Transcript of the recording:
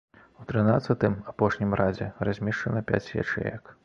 У трынаццатым, апошнім радзе, размешчана пяць ячэек.